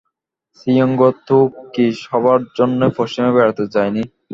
শ্রীঅঙ্গ তো কৃশ হবার জন্যে পশ্চিমে বেড়াতে যায় নি।